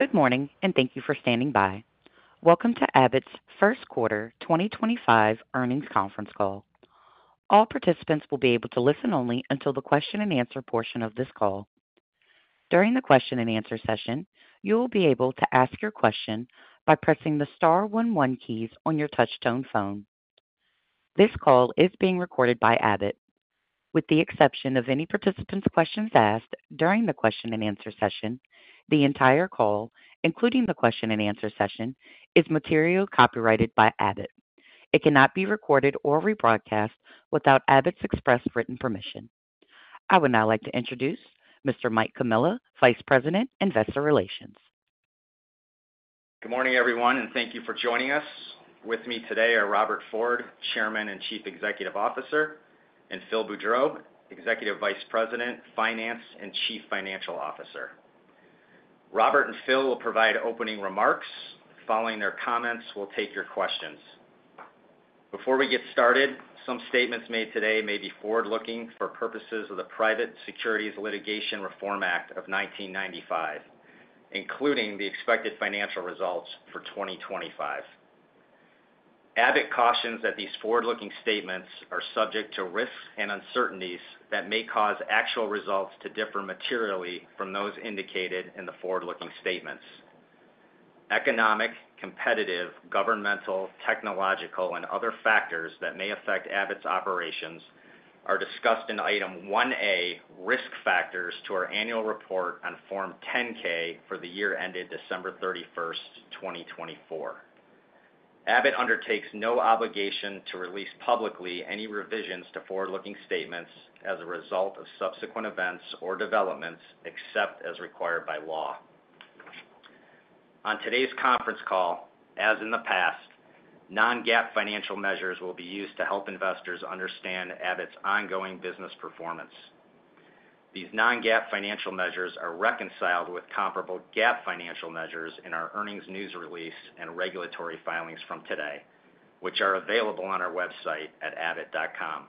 Good morning, and thank you for standing by. Welcome to Abbott's First Quarter 2025 Earnings Conference Call. All participants will be able to listen only until the question-and-answer portion of this call. During the question-and-answer session, you will be able to ask your question by pressing the star one one keys on your touch-tone phone. This call is being recorded by Abbott. With the exception of any participants' questions asked during the question-and-answer session, the entire call, including the question-and-answer session, is materially copyrighted by Abbott. It cannot be recorded or rebroadcast without Abbott's express written permission. I would now like to introduce Mr. Mike Comilla, Vice President, Investor Relations. Good morning, everyone, and thank you for joining us. With me today are Robert Ford, Chairman and Chief Executive Officer, and Phil Boudreau, Executive Vice President, Finance and Chief Financial Officer. Robert and Phil will provide opening remarks. Following their comments, we'll take your questions. Before we get started, some statements made today may be forward-looking for purposes of the Private Securities Litigation Reform Act of 1995, including the expected financial results for 2025. Abbott cautions that these forward-looking statements are subject to risks and uncertainties that may cause actual results to differ materially from those indicated in the forward-looking statements. Economic, competitive, governmental, technological, and other factors that may affect Abbott's operations are discussed in item 1A, Risk Factors, to our annual report on Form 10-K for the year ended December 31, 2024. Abbott undertakes no obligation to release publicly any revisions to forward-looking statements as a result of subsequent events or developments, except as required by law. On today's conference call, as in the past, non-GAAP financial measures will be used to help investors understand Abbott's ongoing business performance. These non-GAAP financial measures are reconciled with comparable GAAP financial measures in our earnings news release and regulatory filings from today, which are available on our website at abbott.com.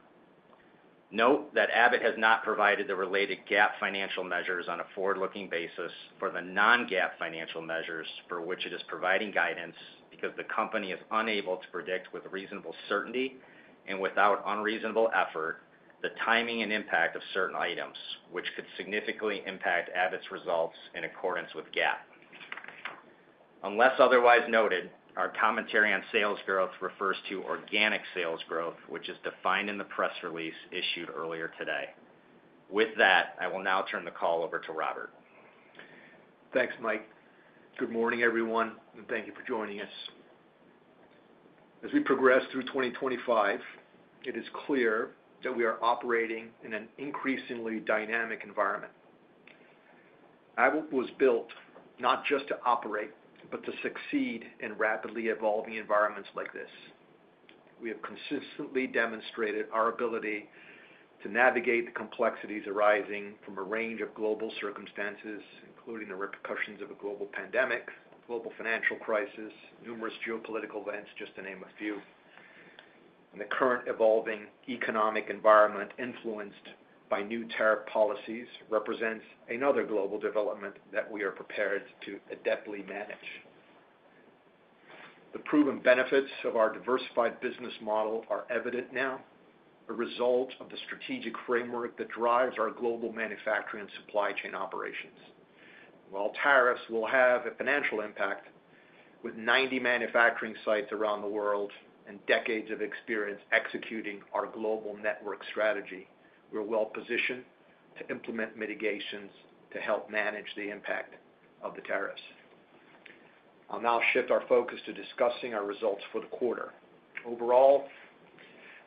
Note that Abbott has not provided the related GAAP financial measures on a forward-looking basis for the non-GAAP financial measures for which it is providing guidance because the company is unable to predict with reasonable certainty and without unreasonable effort the timing and impact of certain items, which could significantly impact Abbott's results in accordance with GAAP.Unless otherwise noted, our commentary on sales growth refers to organic sales growth, which is defined in the press release issued earlier today. With that, I will now turn the call over to Robert. Thanks, Mike. Good morning, everyone, and thank you for joining us. As we progress through 2025, it is clear that we are operating in an increasingly dynamic environment. Abbott was built not just to operate but to succeed in rapidly evolving environments like this. We have consistently demonstrated our ability to navigate the complexities arising from a range of global circumstances, including the repercussions of a global pandemic, global financial crisis, numerous geopolitical events, just to name a few. The current evolving economic environment, influenced by new tariff policies, represents another global development that we are prepared to adeptly manage. The proven benefits of our diversified business model are evident now, a result of the strategic framework that drives our global manufacturing and supply chain operations. While tariffs will have a financial impact, with 90 manufacturing sites around the world and decades of experience executing our global network strategy, we're well positioned to implement mitigations to help manage the impact of the tariffs. I'll now shift our focus to discussing our results for the quarter. Overall,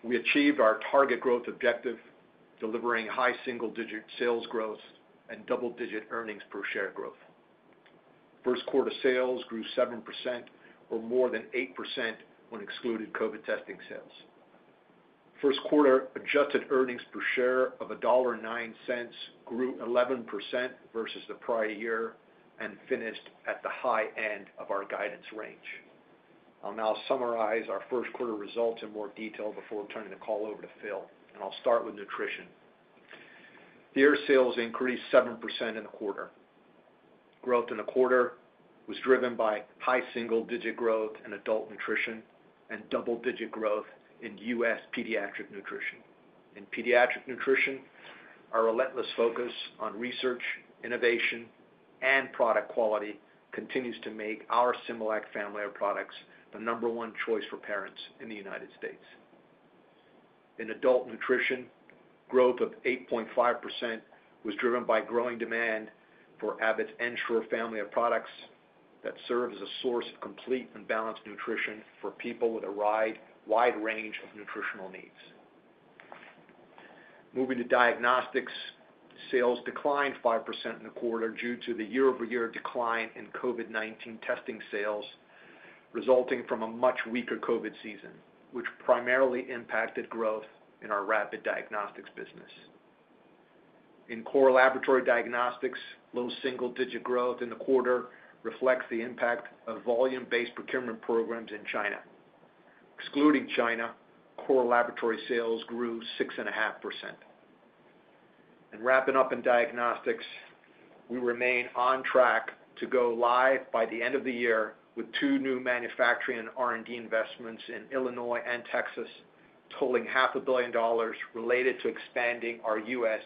we achieved our target growth objective, delivering high single-digit sales growth and double-digit earnings per share growth. First quarter sales grew 7% or more than 8% when excluding COVID testing sales. First quarter adjusted earnings per share of $1.09 grew 11% versus the prior year and finished at the high end of our guidance range. I'll now summarize our first quarter results in more detail before turning the call over to Phil. I'll start with nutrition. The area sales increased 7% in the quarter. Growth in the quarter was driven by high single-digit growth in adult nutrition and double-digit growth in U.S. pediatric nutrition. In pediatric nutrition, our relentless focus on research, innovation, and product quality continues to make our Similac family of products the number one choice for parents in the United States. In adult nutrition, growth of 8.5% was driven by growing demand for Abbott's Ensure family of products that serve as a source of complete and balanced nutrition for people with a wide range of nutritional needs. Moving to diagnostics, sales declined 5% in the quarter due to the year-over-year decline in COVID-19 testing sales, resulting from a much weaker COVID season, which primarily impacted growth in our rapid diagnostics business. In core laboratory diagnostics, low single-digit growth in the quarter reflects the impact of volume-based procurement programs in China. Excluding China, core laboratory sales grew 6.5%. Wrapping up in diagnostics, we remain on track to go live by the end of the year with two new manufacturing and R&D investments in Illinois and Texas, totaling $500,000,000 related to expanding our U.S.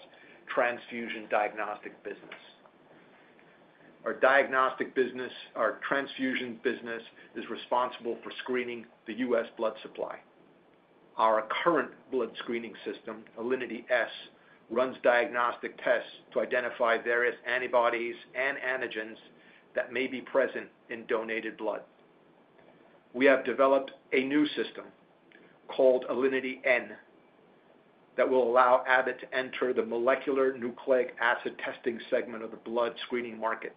transfusion diagnostic business. Our transfusion business is responsible for screening the U.S. blood supply. Our current blood screening system, Alinity s, runs diagnostic tests to identify various antibodies and antigens that may be present in donated blood. We have developed a new system called Alinity n that will allow Abbott to enter the molecular nucleic acid testing segment of the blood screening market.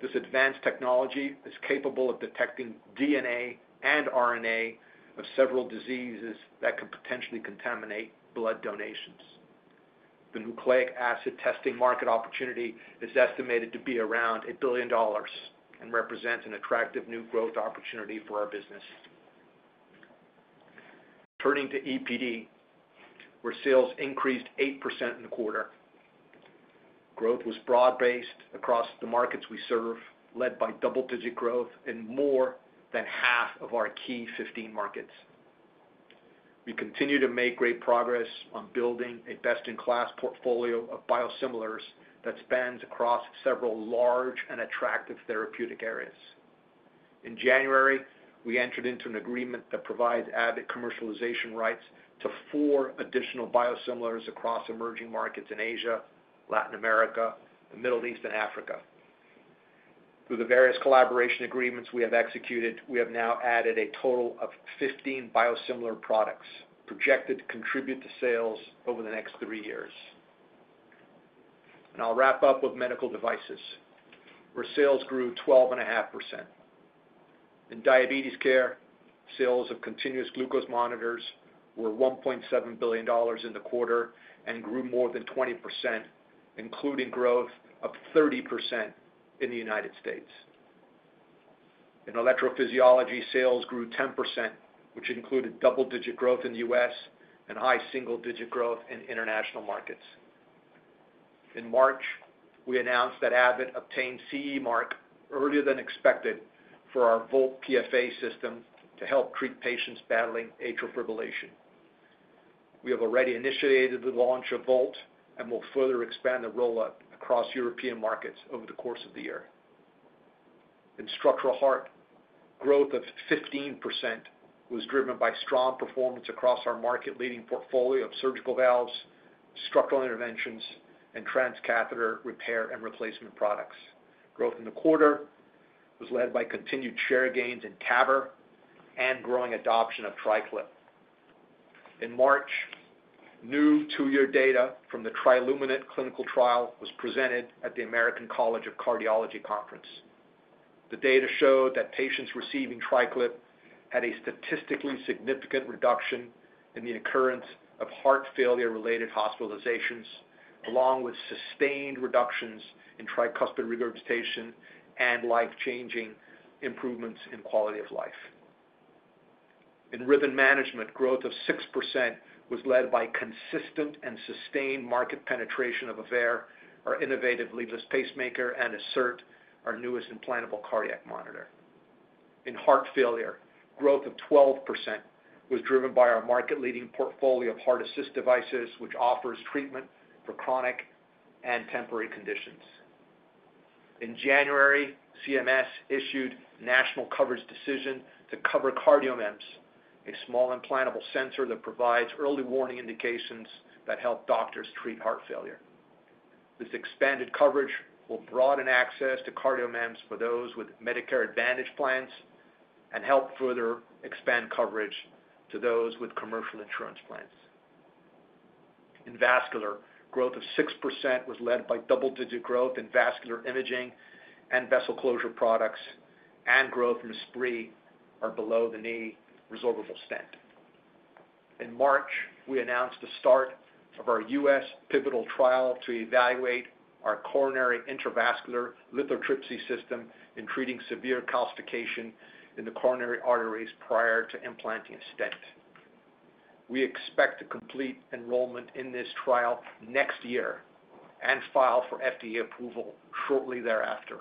This advanced technology is capable of detecting DNA and RNA of several diseases that can potentially contaminate blood donations. The nucleic acid testing market opportunity is estimated to be around $1,000,000,000 and represents an attractive new growth opportunity for our business. Turning to EPD, where sales increased 8% in the quarter, growth was broad-based across the markets we serve, led by double-digit growth in more than half of our key 15 markets. We continue to make great progress on building a best-in-class portfolio of biosimilars that spans across several large and attractive therapeutic areas. In January, we entered into an agreement that provides Abbott commercialization rights to four additional biosimilars across emerging markets in Asia, Latin America, the Middle East, and Africa. Through the various collaboration agreements we have executed, we have now added a total of 15 biosimilar products projected to contribute to sales over the next three years. I'll wrap up with medical devices, where sales grew 12.5%. In diabetes care, sales of continuous glucose monitors were $1.7 billion in the quarter and grew more than 20%, including growth of 30% in the U.S. In electrophysiology, sales grew 10%, which included double-digit growth in the U.S. and high single-digit growth in international markets. In March, we announced that Abbott obtained CE Mark earlier than expected for our Volt PFA system to help treat patients battling atrial fibrillation. We have already initiated the launch of Volt and will further expand the rollout across European markets over the course of the year. In structural heart, growth of 15% was driven by strong performance across our market-leading portfolio of surgical valves, structural interventions, and transcatheter repair and replacement products. Growth in the quarter was led by continued share gains in TAVR and growing adoption of TriClip. In March, new two-year data from the Triluminate clinical trial was presented at the American College of Cardiology Conference. The data showed that patients receiving TriClip had a statistically significant reduction in the occurrence of heart failure-related hospitalizations, along with sustained reductions in tricuspid regurgitation and life-changing improvements in quality of life. In rhythm management, growth of 6% was led by consistent and sustained market penetration of AVEIR, our innovative leadless pacemaker, and Assert, our newest implantable cardiac monitor. In heart failure, growth of 12% was driven by our market-leading portfolio of heart assist devices, which offers treatment for chronic and temporary conditions. In January, CMS issued national coverage decision to cover CardioMEMS, a small implantable sensor that provides early warning indications that help doctors treat heart failure. This expanded coverage will broaden access to CardioMEMS for those with Medicare Advantage plans and help further expand coverage to those with commercial insurance plans. In vascular, growth of 6% was led by double-digit growth in vascular imaging and vessel closure products, and growth from Esprit, our below-the-knee resorbable stent. In March, we announced the start of our U.S. pivotal trial to evaluate our coronary intravascular lithotripsy system in treating severe calcification in the coronary arteries prior to implanting a stent. We expect to complete enrollment in this trial next year and file for FDA approval shortly thereafter.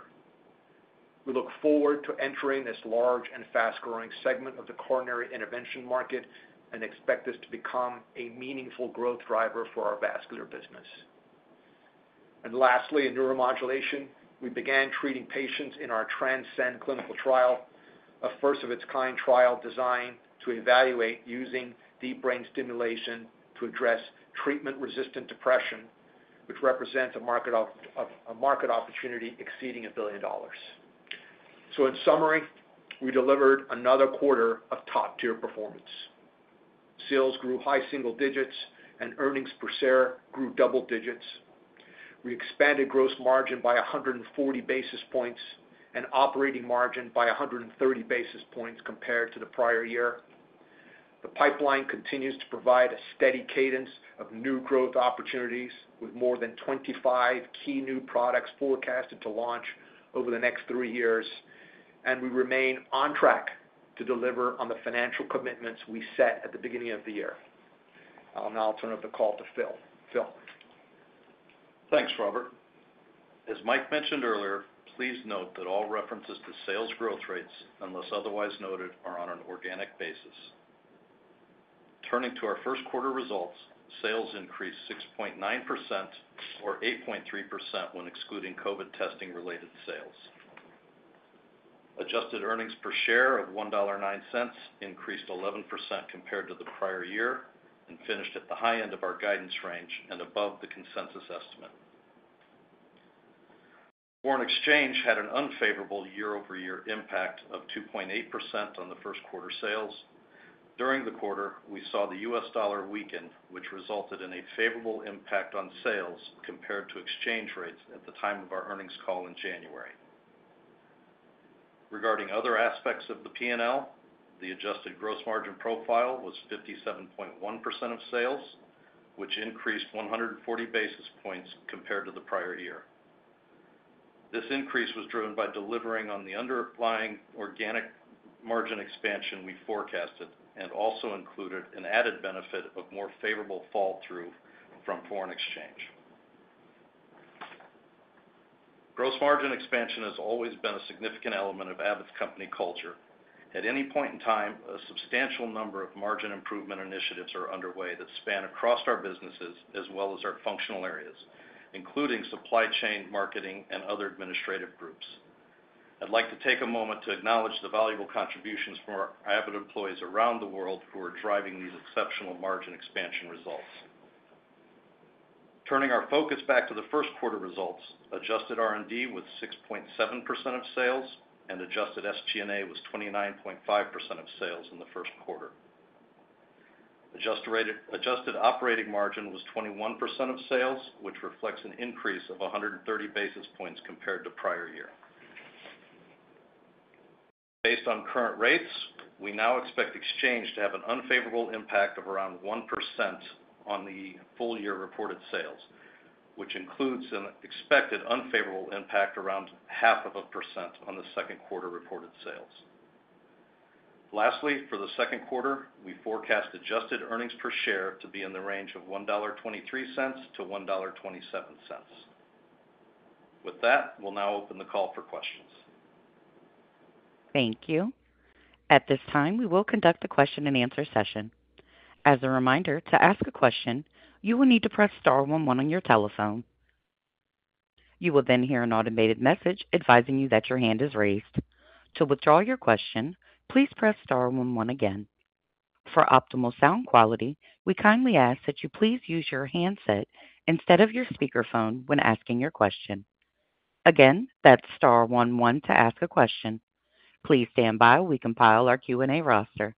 We look forward to entering this large and fast-growing segment of the coronary intervention market and expect this to become a meaningful growth driver for our vascular business. Lastly, in neuromodulation, we began treating patients in our TRANSCEND clinical trial, a first-of-its-kind trial designed to evaluate using deep brain stimulation to address treatment-resistant depression, which represents a market opportunity exceeding $1 billion. In summary, we delivered another quarter of top-tier performance. Sales grew high single digits, and earnings per share grew double digits. We expanded gross margin by 140 basis points and operating margin by 130 basis points compared to the prior year. The pipeline continues to provide a steady cadence of new growth opportunities with more than 25 key new products forecasted to launch over the next three years, and we remain on track to deliver on the financial commitments we set at the beginning of the year. I'll now turn it over to Phil. Phil. Thanks, Robert. As Mike mentioned earlier, please note that all references to sales growth rates, unless otherwise noted, are on an organic basis. Turning to our first quarter results, sales increased 6.9% or 8.3% when excluding COVID testing-related sales. Adjusted earnings per share of $1.09 increased 11% compared to the prior year and finished at the high end of our guidance range and above the consensus estimate. Foreign exchange had an unfavorable year-over-year impact of 2.8% on the first quarter sales. During the quarter, we saw the U.S. dollar weaken, which resulted in a favorable impact on sales compared to exchange rates at the time of our earnings call in January. Regarding other aspects of the P&L, the adjusted gross margin profile was 57.1% of sales, which increased 140 basis points compared to the prior year. This increase was driven by delivering on the underlying organic margin expansion we forecasted and also included an added benefit of more favorable fall-through from foreign exchange. Gross margin expansion has always been a significant element of Abbott's company culture. At any point in time, a substantial number of margin improvement initiatives are underway that span across our businesses as well as our functional areas, including supply chain, marketing, and other administrative groups. I'd like to take a moment to acknowledge the valuable contributions from our Abbott employees around the world who are driving these exceptional margin expansion results. Turning our focus back to the first quarter results, adjusted R&D was 6.7% of sales, and adjusted SG&A was 29.5% of sales in the first quarter. Adjusted operating margin was 21% of sales, which reflects an increase of 130 basis points compared to prior year. Based on current rates, we now expect exchange to have an unfavorable impact of around 1% on the full-year reported sales, which includes an expected unfavorable impact around half of a percent on the second quarter reported sales. Lastly, for the second quarter, we forecast adjusted earnings per share to be in the range of $1.23-$1.27. With that, we'll now open the call for questions. Thank you. At this time, we will conduct a question-and-answer session. As a reminder, to ask a question, you will need to press star one one on your telephone. You will then hear an automated message advising you that your hand is raised. To withdraw your question, please press star one one again. For optimal sound quality, we kindly ask that you please use your handset instead of your speakerphone when asking your question. Again, that is star one one to ask a question. Please stand by while we compile our Q&A roster.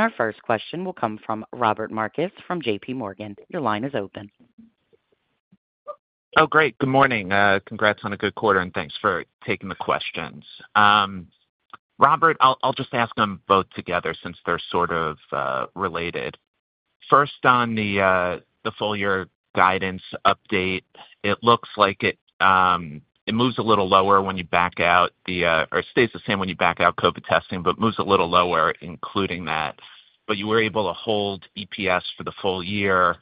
Our first question will come from Robert Marcus from JPMorgan. Your line is open. Oh, great. Good morning. Congrats on a good quarter, and thanks for taking the questions. Robert, I'll just ask them both together since they're sort of related. First, on the full-year guidance update, it looks like it moves a little lower when you back out the or stays the same when you back out COVID testing, but moves a little lower, including that. You were able to hold EPS for the full year,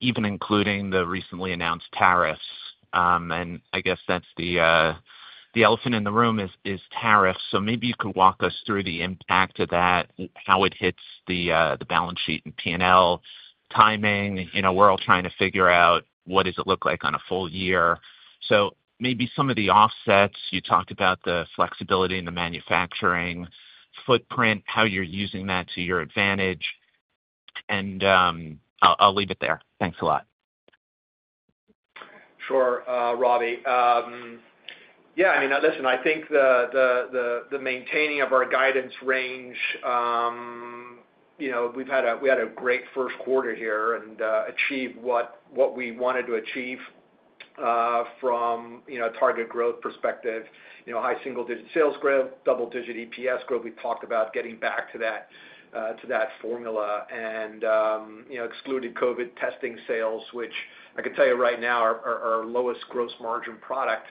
even including the recently announced tariffs. I guess that's the elephant in the room is tariffs. Maybe you could walk us through the impact of that, how it hits the balance sheet and P&L timing. We're all trying to figure out what does it look like on a full year. Maybe some of the offsets, you talked about the flexibility in the manufacturing footprint, how you're using that to your advantage. I'll leave it there. Thanks a lot. Sure, Robert. Yeah, I mean, listen, I think the maintaining of our guidance range, we had a great first quarter here and achieved what we wanted to achieve from a target growth perspective. High single-digit sales growth, double-digit EPS growth. We talked about getting back to that formula and excluded COVID testing sales, which I can tell you right now, our lowest gross margin product,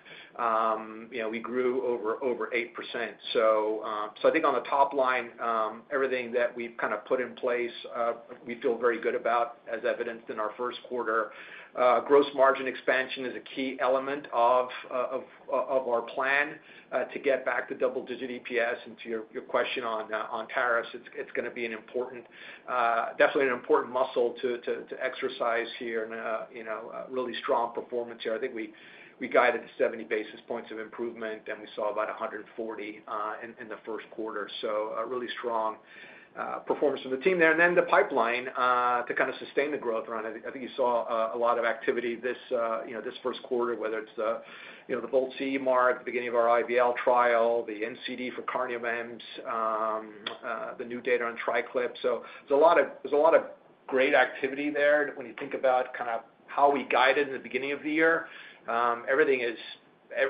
we grew over 8%. I think on the top line, everything that we've kind of put in place, we feel very good about, as evidenced in our first quarter. Gross margin expansion is a key element of our plan to get back to double-digit EPS. To your question on tariffs, it's going to be an important, definitely an important muscle to exercise here and a really strong performance here. I think we guided to 70 basis points of improvement, and we saw about 140 in the first quarter. A really strong performance of the team there. The pipeline to kind of sustain the growth around it, I think you saw a lot of activity this first quarter, whether it's the Volt CE mark at the beginning of our IVL trial, the NCD for CardioMEMS, the new data on TriClip. There is a lot of great activity there when you think about kind of how we guided in the beginning of the year.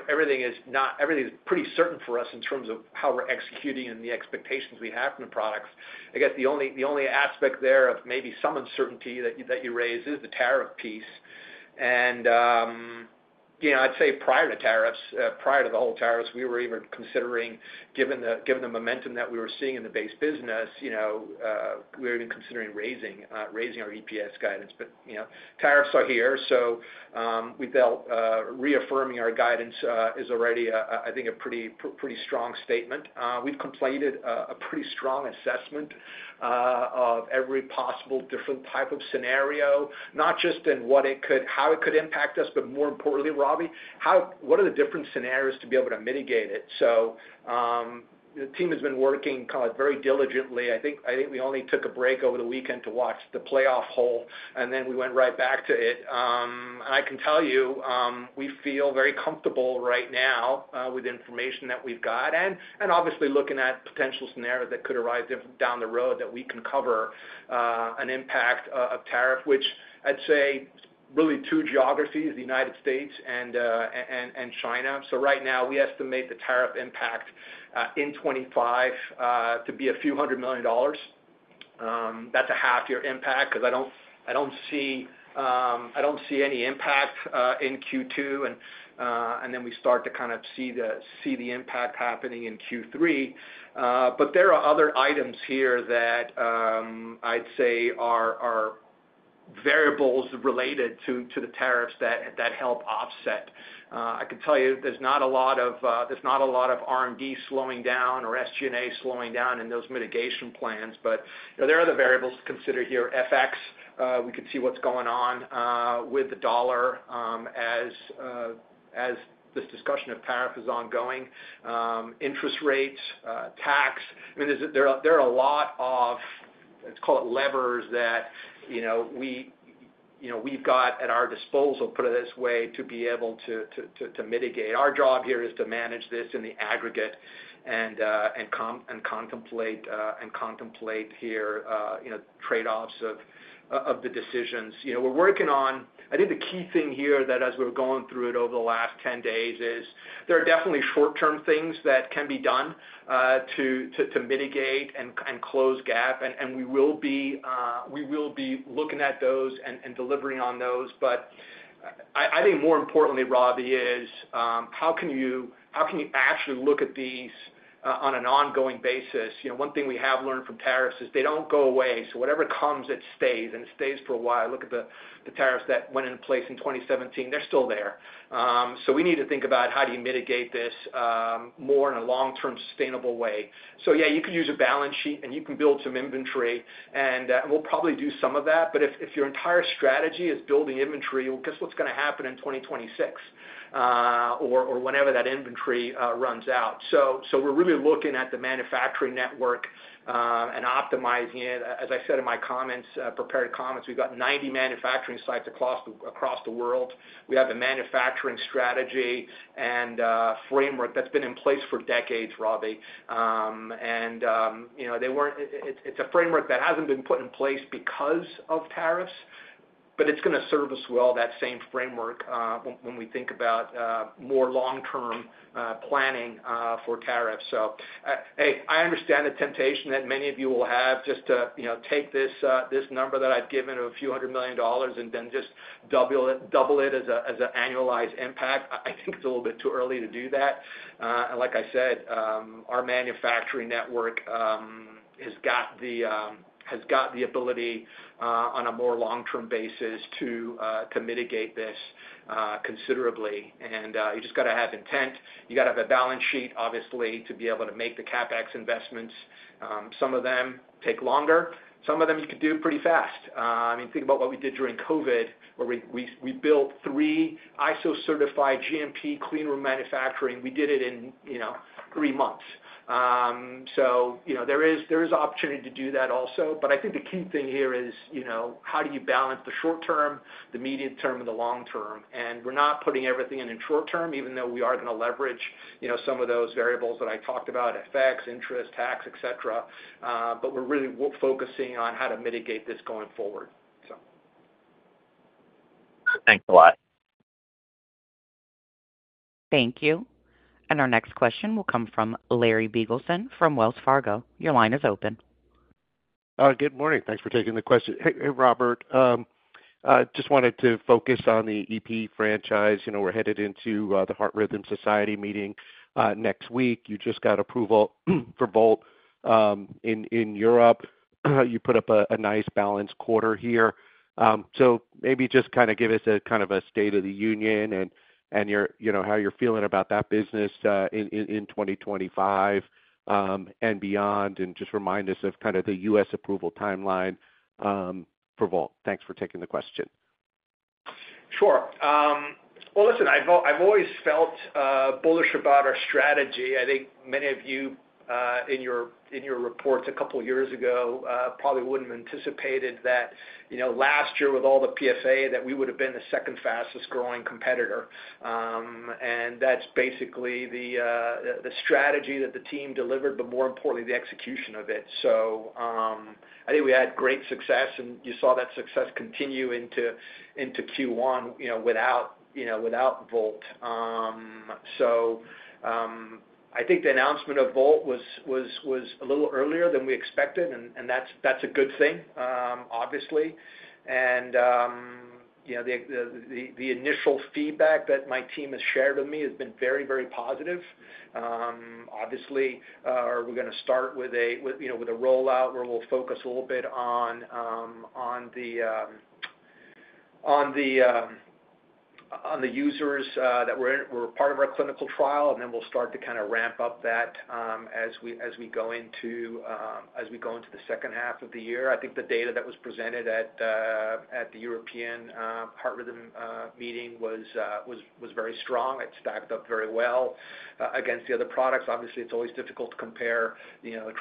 Everything is pretty certain for us in terms of how we're executing and the expectations we have from the products. I guess the only aspect there of maybe some uncertainty that you raise is the tariff piece. I'd say prior to tariffs, prior to the whole tariffs, we were even considering, given the momentum that we were seeing in the base business, we were even considering raising our EPS guidance. Tariffs are here, so we felt reaffirming our guidance is already, I think, a pretty strong statement. We've completed a pretty strong assessment of every possible different type of scenario, not just in how it could impact us, but more importantly, Robbie, what are the different scenarios to be able to mitigate it? The team has been working kind of very diligently. I think we only took a break over the weekend to watch the playoff hole, and then we went right back to it. I can tell you we feel very comfortable right now with the information that we've got and obviously looking at potential scenarios that could arise down the road that we can cover an impact of tariff, which I'd say really two geographies, the United States and China. Right now, we estimate the tariff impact in 2025 to be a few hundred million dollars. That's a half-year impact because I don't see any impact in Q2, and then we start to kind of see the impact happening in Q3. There are other items here that I'd say are variables related to the tariffs that help offset. I can tell you there's not a lot of R&D slowing down or SG&A slowing down in those mitigation plans, but there are other variables to consider here. FX, we could see what's going on with the dollar as this discussion of tariff is ongoing. Interest rates, tax, I mean, there are a lot of, let's call it levers that we've got at our disposal, put it this way, to be able to mitigate. Our job here is to manage this in the aggregate and contemplate here trade-offs of the decisions. We're working on, I think the key thing here that as we're going through it over the last 10 days is there are definitely short-term things that can be done to mitigate and close gap, and we will be looking at those and delivering on those. I think more importantly, Robbie, is how can you actually look at these on an ongoing basis? One thing we have learned from tariffs is they don't go away. Whatever comes, it stays, and it stays for a while. Look at the tariffs that went into place in 2017. They're still there. We need to think about how do you mitigate this more in a long-term sustainable way. Yeah, you could use a balance sheet, and you can build some inventory, and we'll probably do some of that. If your entire strategy is building inventory, well, guess what's going to happen in 2026 or whenever that inventory runs out? We're really looking at the manufacturing network and optimizing it. As I said in my prepared comments, we've got 90 manufacturing sites across the world. We have a manufacturing strategy and framework that's been in place for decades, Robbie. It's a framework that hasn't been put in place because of tariffs, but it's going to serve us well, that same framework, when we think about more long-term planning for tariffs. I understand the temptation that many of you will have just to take this number that I've given of a few hundred million dollars and then just double it as an annualized impact. I think it's a little bit too early to do that. Like I said, our manufacturing network has got the ability on a more long-term basis to mitigate this considerably. You just got to have intent. You got to have a balance sheet, obviously, to be able to make the CapEx investments. Some of them take longer. Some of them you could do pretty fast. I mean, think about what we did during COVID, where we built three ISO-certified GMP cleanroom manufacturing. We did it in three months. There is opportunity to do that also. I think the key thing here is how do you balance the short term, the medium term, and the long term? We are not putting everything in short term, even though we are going to leverage some of those variables that I talked about: FX, interest, tax, etc. We are really focusing on how to mitigate this going forward. Thanks a lot. Thank you. Our next question will come from Larry Biegelsen from Wells Fargo. Your line is open. Good morning. Thanks for taking the question. Hey, Robert. Just wanted to focus on the EP franchise. We're headed into the Heart Rhythm Society meeting next week. You just got approval for Volt in Europe. You put up a nice balanced quarter here. Maybe just kind of give us a kind of a state of the union and how you're feeling about that business in 2025 and beyond, and just remind us of kind of the U.S. approval timeline for Volt. Thanks for taking the question. Sure. Listen, I've always felt bullish about our strategy. I think many of you in your reports a couple of years ago probably wouldn't have anticipated that last year, with all the PFA, we would have been the second fastest growing competitor. That's basically the strategy that the team delivered, but more importantly, the execution of it. I think we had great success, and you saw that success continue into Q1 without Volt. I think the announcement of Volt was a little earlier than we expected, and that's a good thing, obviously. The initial feedback that my team has shared with me has been very, very positive. Obviously, we're going to start with a rollout where we'll focus a little bit on the users that were part of our clinical trial, and then we'll start to kind of ramp up that as we go into the second half of the year. I think the data that was presented at the European Heart Rhythm meeting was very strong. It stacked up very well against the other products. Obviously, it's always difficult to compare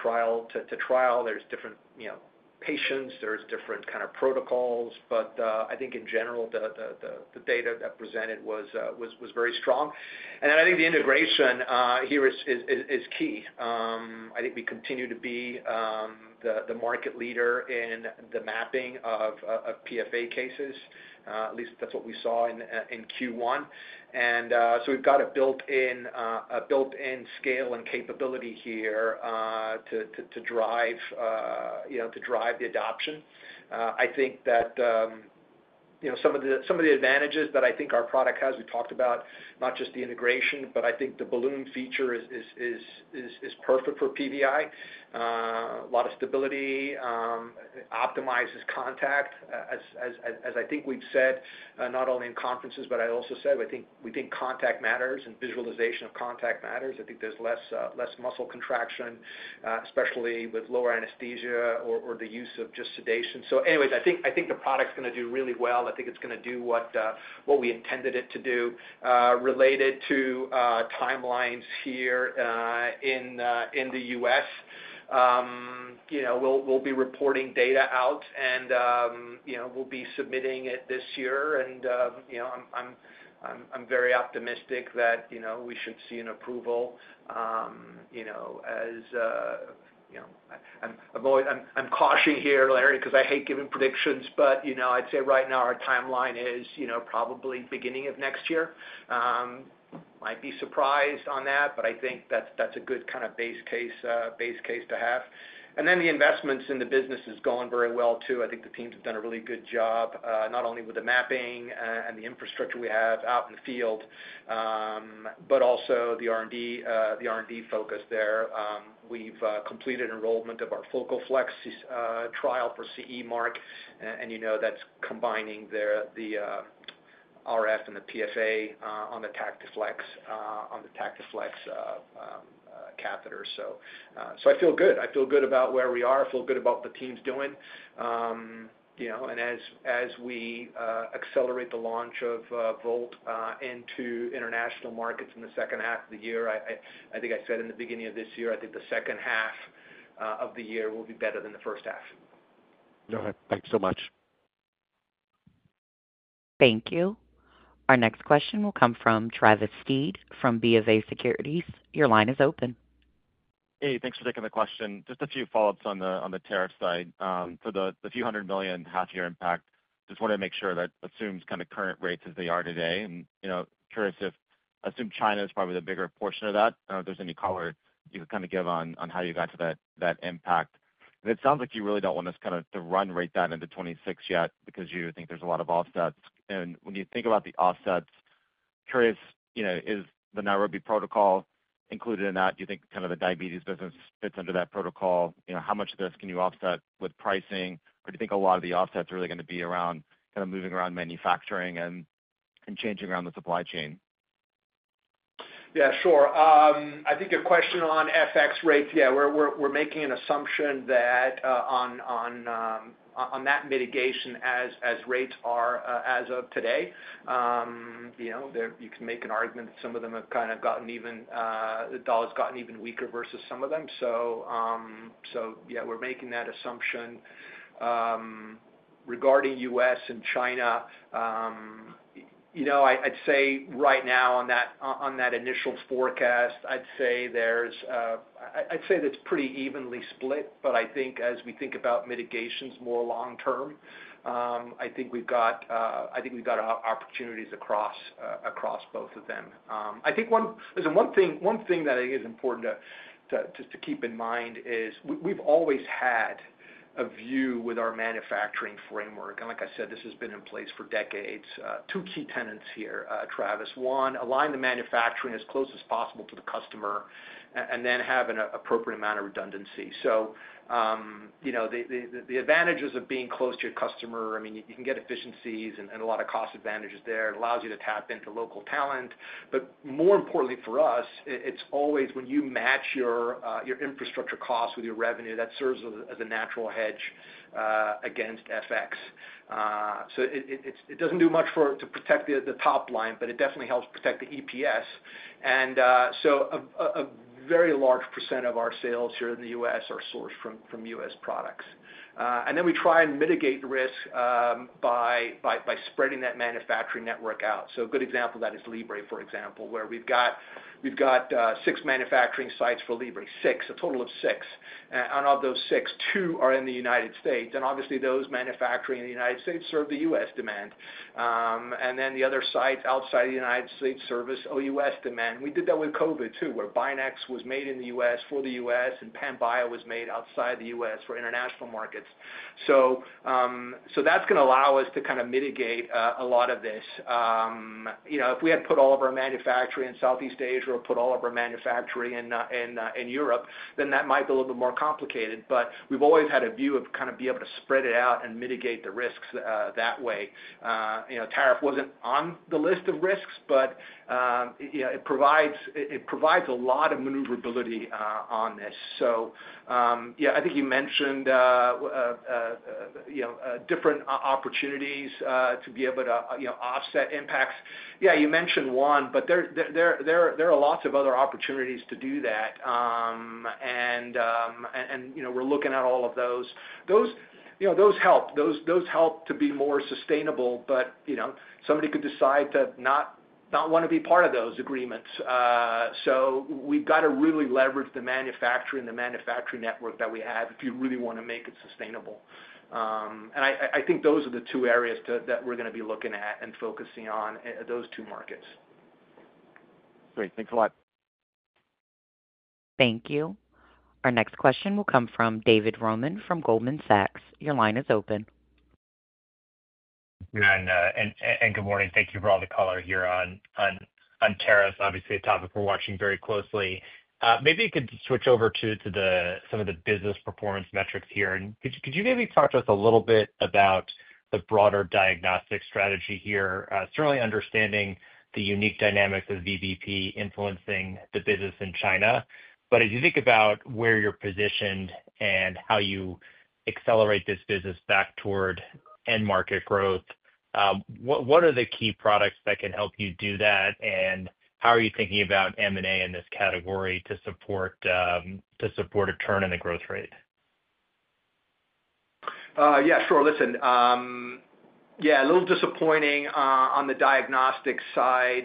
trial to trial. There are different patients. There are different kind of protocols. I think, in general, the data that presented was very strong. I think the integration here is key. I think we continue to be the market leader in the mapping of PFA cases. At least that's what we saw in Q1. We have a built-in scale and capability here to drive the adoption. I think that some of the advantages that I think our product has, we talked about not just the integration, but I think the balloon feature is perfect for PVI. A lot of stability, optimizes contact, as I think we've said, not only in conferences, but I also said we think contact matters and visualization of contact matters. I think there's less muscle contraction, especially with lower anesthesia or the use of just sedation. Anyways, I think the product's going to do really well. I think it's going to do what we intended it to do related to timelines here in the U.S. We'll be reporting data out, and we'll be submitting it this year. I'm very optimistic that we should see an approval as I'm cautioning here, Larry, because I hate giving predictions, but I'd say right now our timeline is probably beginning of next year. Might be surprised on that, but I think that's a good kind of base case to have. The investments in the business are going very well too. I think the team's done a really good job, not only with the mapping and the infrastructure we have out in the field, but also the R&D focus there. We've completed enrollment of our FocalFlex trial for CE Mark, and that's combining the RF and the PFA on the TactiFlex catheter. I feel good. I feel good about where we are. I feel good about what the team's doing. As we accelerate the launch of Volt into international markets in the second half of the year, I think I said in the beginning of this year, I think the second half of the year will be better than the first half. All right. Thanks so much. Thank you. Our next question will come from Travis Steed from BofA Securities. Your line is open. Hey, thanks for taking the question. Just a few follow-ups on the tariff side. For the few hundred million half-year impact, just wanted to make sure that assumes kind of current rates as they are today. Curious if I assume China is probably the bigger portion of that. If there's any color you could kind of give on how you got to that impact. It sounds like you really do not want us kind of to run right down into 2026 yet because you think there is a lot of offsets. When you think about the offsets, curious, is the Nairobi Protocol included in that? Do you think kind of the diabetes business fits under that protocol? How much of this can you offset with pricing? Or do you think a lot of the offsets are really going to be around kind of moving around manufacturing and changing around the supply chain? Yeah, sure. I think a question on FX rates, yeah, we're making an assumption that on that mitigation as rates are as of today, you can make an argument that some of them have kind of gotten even the dollar's gotten even weaker versus some of them. Yeah, we're making that assumption. Regarding U.S. and China, I'd say right now on that initial forecast, I'd say there's, I'd say that's pretty evenly split. I think as we think about mitigations more long-term, I think we've got, I think we've got opportunities across both of them. I think one thing that I think is important to keep in mind is we've always had a view with our manufacturing framework. Like I said, this has been in place for decades. Two key tenets here, Travis. One, align the manufacturing as close as possible to the customer and then have an appropriate amount of redundancy. The advantages of being close to your customer, I mean, you can get efficiencies and a lot of cost advantages there. It allows you to tap into local talent. More importantly for us, it's always when you match your infrastructure costs with your revenue, that serves as a natural hedge against FX. It does not do much to protect the top line, but it definitely helps protect the EPS. A very large percent of our sales here in the U.S. are sourced from U.S. products. We try and mitigate the risk by spreading that manufacturing network out. A good example of that is Libre, for example, where we've got six manufacturing sites for Libre. Six, a total of six. Of those six, two are in the U.S. Obviously, those manufacturing in the U.S. serve the U.S. demand. The other sites outside of the U.S. serve the U.S. demand. We did that with COVID too, where Binax was made in the U.S. for the U.S., and Panbio was made outside the U.S. for international markets. That is going to allow us to kind of mitigate a lot of this. If we had to put all of our manufacturing in Southeast Asia or put all of our manufacturing in Europe, that might be a little bit more complicated. We have always had a view of kind of being able to spread it out and mitigate the risks that way. Tariff was not on the list of risks, but it provides a lot of maneuverability on this. Yeah, I think you mentioned different opportunities to be able to offset impacts. Yeah, you mentioned one, but there are lots of other opportunities to do that. We're looking at all of those. Those help. Those help to be more sustainable, but somebody could decide to not want to be part of those agreements. We've got to really leverage the manufacturing and the manufacturing network that we have if you really want to make it sustainable. I think those are the two areas that we're going to be looking at and focusing on, those two markets. Great. Thanks a lot. Thank you. Our next question will come from David Roman from Goldman Sachs. Your line is open. Good morning. Thank you for all the color here on tariffs. Obviously, a topic we're watching very closely. Maybe you could switch over to some of the business performance metrics here. Could you maybe talk to us a little bit about the broader diagnostic strategy here, certainly understanding the unique dynamics of VBP influencing the business in China? As you think about where you're positioned and how you accelerate this business back toward end market growth, what are the key products that can help you do that? How are you thinking about M&A in this category to support a turn in the growth rate? Yeah, sure. Listen, yeah, a little disappointing on the diagnostic side.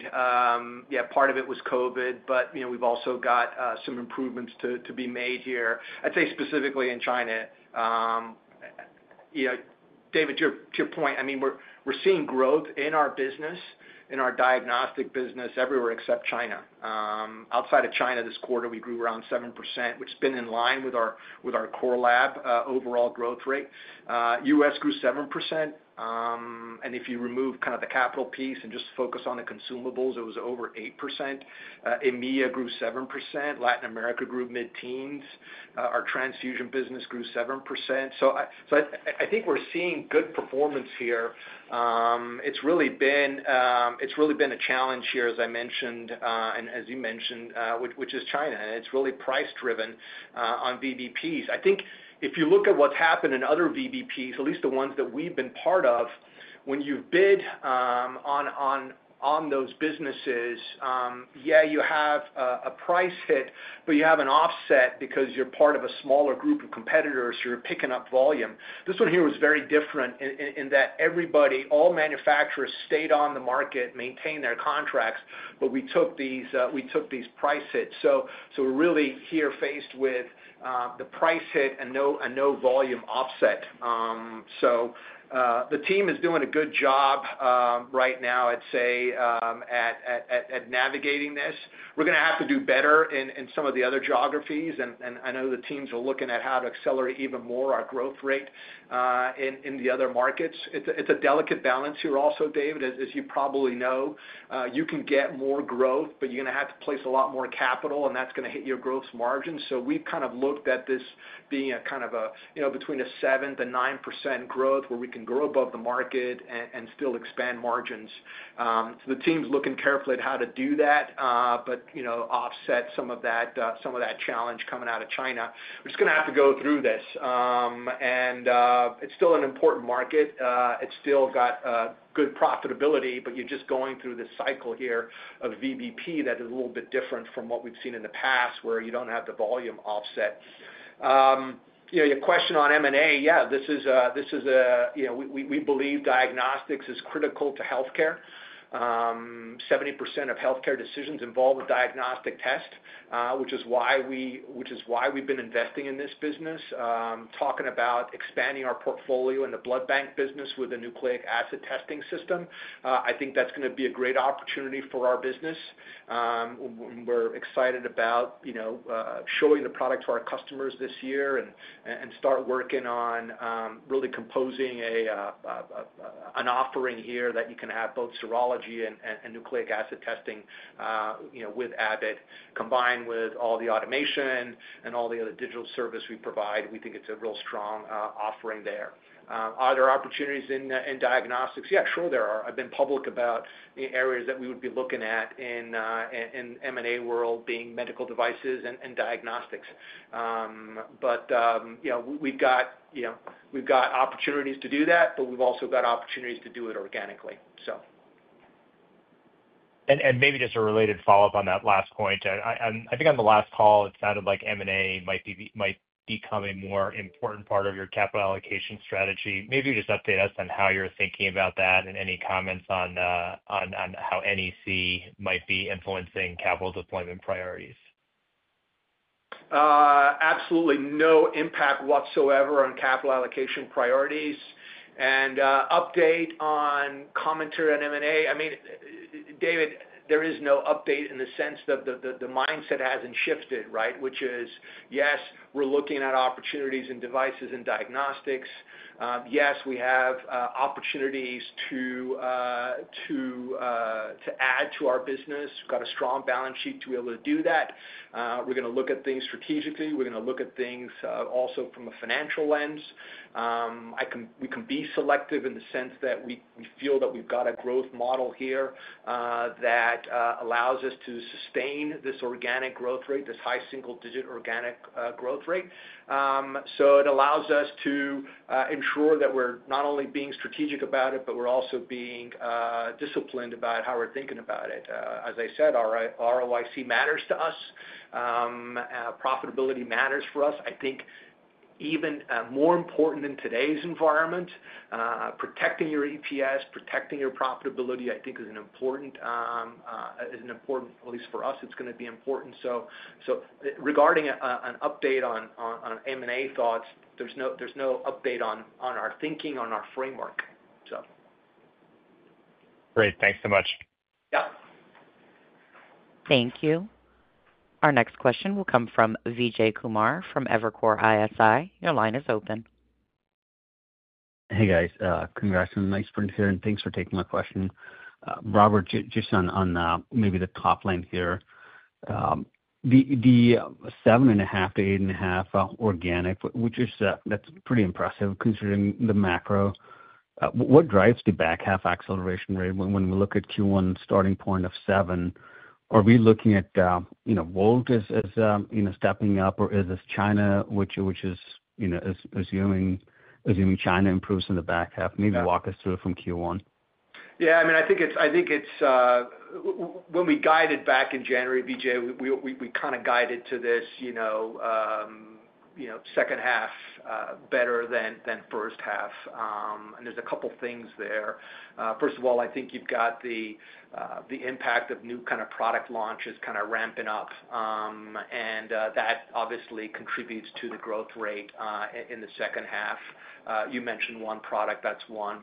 Yeah, part of it was COVID, but we've also got some improvements to be made here. I'd say specifically in China. David, to your point, I mean, we're seeing growth in our business, in our diagnostic business, everywhere except China. Outside of China, this quarter, we grew around 7%, which has been in line with our core lab overall growth rate. U.S. grew 7%. And if you remove kind of the capital piece and just focus on the consumables, it was over 8%. EMEA grew 7%. Latin America grew mid-teens. Our transfusion business grew 7%. I think we're seeing good performance here. It's really been a challenge here, as I mentioned, and as you mentioned, which is China. It's really price-driven on VBPs. I think if you look at what's happened in other VBPs, at least the ones that we've been part of, when you bid on those businesses, yeah, you have a price hit, but you have an offset because you're part of a smaller group of competitors. You're picking up volume. This one here was very different in that everybody, all manufacturers stayed on the market, maintained their contracts, but we took these price hits. We are really here faced with the price hit and no volume offset. The team is doing a good job right now, I'd say, at navigating this. We're going to have to do better in some of the other geographies. I know the teams are looking at how to accelerate even more our growth rate in the other markets. It's a delicate balance here also, David. As you probably know, you can get more growth, but you're going to have to place a lot more capital, and that's going to hit your gross margin. We have kind of looked at this being kind of between a 7-9% growth where we can grow above the market and still expand margins. The team's looking carefully at how to do that, but offset some of that challenge coming out of China. We're just going to have to go through this. It is still an important market. It has still got good profitability, but you're just going through this cycle here of VBP that is a little bit different from what we've seen in the past where you do not have the volume offset. Your question on M&A, yeah, we believe diagnostics is critical to healthcare. 70% of healthcare decisions involve a diagnostic test, which is why we've been investing in this business. Talking about expanding our portfolio in the blood bank business with a nucleic acid testing system, I think that's going to be a great opportunity for our business. We're excited about showing the product to our customers this year and start working on really composing an offering here that you can have both serology and nucleic acid testing with Abbott. Combined with all the automation and all the other digital service we provide, we think it's a real strong offering there. Are there opportunities in diagnostics? Yeah, sure there are. I've been public about the areas that we would be looking at in M&A world being medical devices and diagnostics. We've got opportunities to do that, but we've also got opportunities to do it organically, so. Maybe just a related follow-up on that last point. I think on the last call, it sounded like M&A might become a more important part of your capital allocation strategy. Maybe you could just update us on how you're thinking about that and any comments on how NEC might be influencing capital deployment priorities. Absolutely no impact whatsoever on capital allocation priorities. An update on commentary on M&A. I mean, David, there is no update in the sense that the mindset hasn't shifted, right? Which is, yes, we're looking at opportunities in devices and diagnostics. Yes, we have opportunities to add to our business. We've got a strong balance sheet to be able to do that. We're going to look at things strategically. We're going to look at things also from a financial lens. We can be selective in the sense that we feel that we've got a growth model here that allows us to sustain this organic growth rate, this high single-digit organic growth rate. It allows us to ensure that we're not only being strategic about it, but we're also being disciplined about how we're thinking about it. As I said, ROIC matters to us. Profitability matters for us. I think even more important than today's environment, protecting your EPS, protecting your profitability, I think is important at least for us, it's going to be important. Regarding an update on M&A thoughts, there's no update on our thinking, on our framework. Great. Thanks so much. Yeah. Thank you. Our next question will come from Vijay Kumar from Evercore ISI. Your line is open. Hey, guys. Congrats on the nice sprint here, and thanks for taking my question. Robert, just on maybe the top line here, the 7.5-8.5% organic, which is that's pretty impressive considering the macro. What drives the back half acceleration rate when we look at Q1 starting point of 7%? Are we looking at Volt as stepping up, or is this China, which is assuming China improves in the back half? Maybe walk us through it from Q1. Yeah. I mean, I think it's when we guided back in January, Vijay, we kind of guided to this second half better than first half. There are a couple of things there. First of all, I think you've got the impact of new kind of product launches kind of ramping up. That obviously contributes to the growth rate in the second half. You mentioned one product, that's one.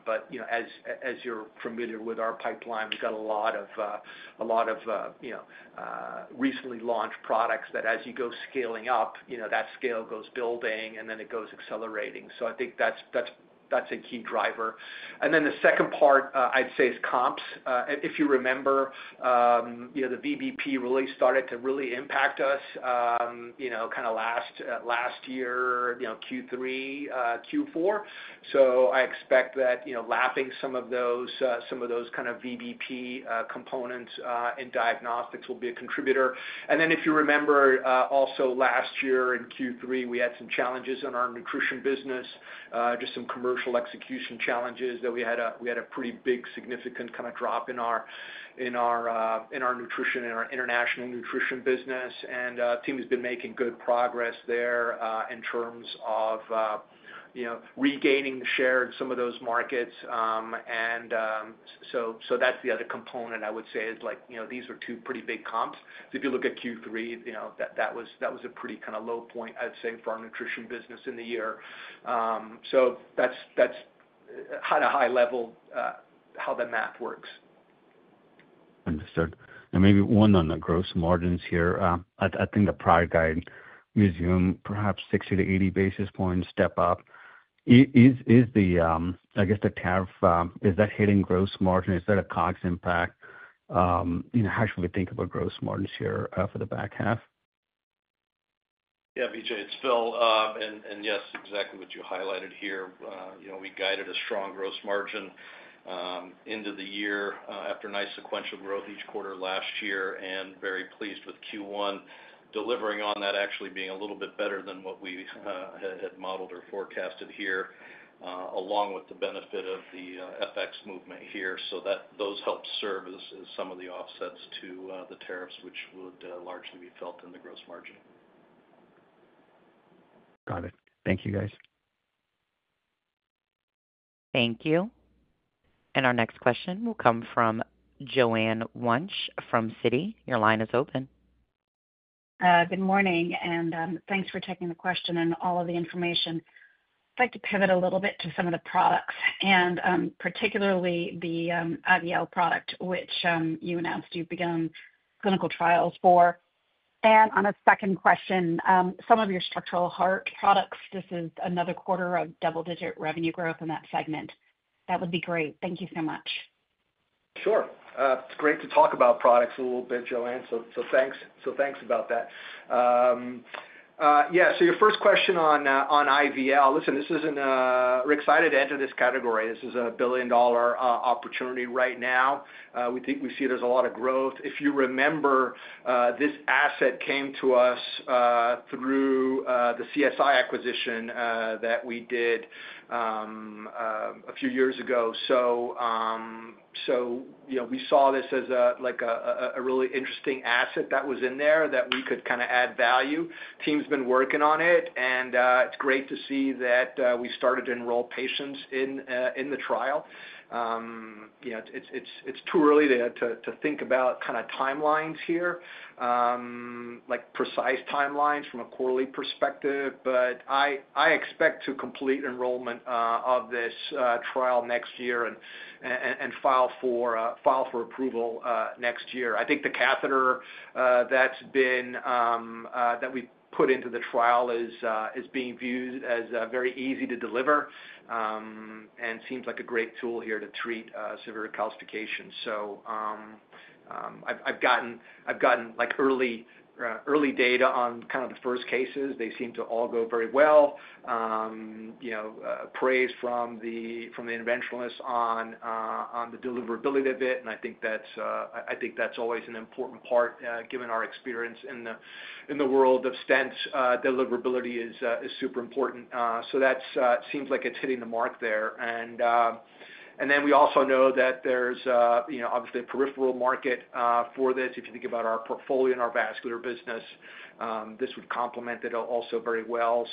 As you're familiar with our pipeline, we've got a lot of recently launched products that as you go scaling up, that scale goes building, and then it goes accelerating. I think that's a key driver. The second part, I'd say, is comps. If you remember, the VBP really started to really impact us kind of last year, Q3, Q4. I expect that lapping some of those kind of VBP components in diagnostics will be a contributor. If you remember, also last year in Q3, we had some challenges in our nutrition business, just some commercial execution challenges that we had a pretty big significant kind of drop in our nutrition and our international nutrition business. The team has been making good progress there in terms of regaining the share in some of those markets. That is the other component, I would say, these were two pretty big comps. If you look at Q3, that was a pretty kind of low point, I would say, for our nutrition business in the year. That is at a high level how the map works. Understood. Maybe one on the gross margins here. I think the prior guide resumed perhaps 60-80 basis points step up. Is the, I guess, the tariff, is that hitting gross margin? Is that a cost impact? How should we think about gross margins here for the back half? Yeah, Vijay, it's Phil. Yes, exactly what you highlighted here. We guided a strong gross margin into the year after nice sequential growth each quarter last year and very pleased with Q1 delivering on that, actually being a little bit better than what we had modeled or forecasted here, along with the benefit of the FX movement here. Those help serve as some of the offsets to the tariffs, which would largely be felt in the gross margin. Got it. Thank you, guys. Thank you. Our next question will come from Joanne Wuensch from Citi. Your line is open. Good morning. Thanks for taking the question and all of the information. I'd like to pivot a little bit to some of the products, and particularly the AVEIR product, which you announced you've begun clinical trials for. On a second question, some of your structural heart products, this is another quarter of double-digit revenue growth in that segment. That would be great. Thank you so much. Sure. It's great to talk about products a little bit, Joanne. Thanks about that. Yeah. Your first question on IVL, listen, we're excited to enter this category. This is a billion-dollar opportunity right now. We think we see there's a lot of growth. If you remember, this asset came to us through the CSI acquisition that we did a few years ago. We saw this as a really interesting asset that was in there that we could kind of add value. The team's been working on it. It's great to see that we started to enroll patients in the trial. It's too early to think about kind of timelines here, precise timelines from a quarterly perspective. I expect to complete enrollment of this trial next year and file for approval next year. I think the catheter that we put into the trial is being viewed as very easy to deliver and seems like a great tool here to treat severe calcifications. I have gotten early data on kind of the first cases. They seem to all go very well. Praise from the interventionalists on the deliverability of it. I think that is always an important part given our experience in the world of stents. Deliverability is super important. That seems like it is hitting the mark there. We also know that there is obviously a peripheral market for this. If you think about our portfolio and our vascular business, this would complement it also very well.